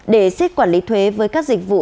để xếp quản lý thuế với các dịch vụ